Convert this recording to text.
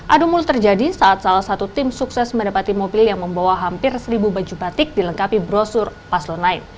adu mulut terjadi saat salah satu tim sukses mendapati mobil yang membawa hampir seribu baju batik dilengkapi brosur paslon sembilan